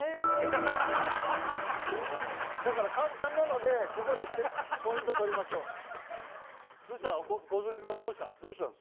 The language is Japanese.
だから簡単なのでここでポイント取りましょうどうしたんですか？